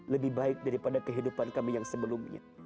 lebih baik daripada kehidupan kami yang sebelumnya